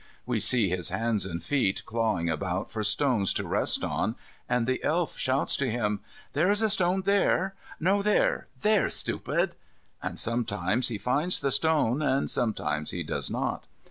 We see his hands and feet clawing about for stones to rest on, and the Elf shouts to him, "There is a stone there no, there there, stupid!" and sometimes he finds the stone, and sometimes he does not.